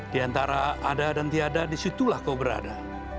di antara ada dan tiada disitulah kau berada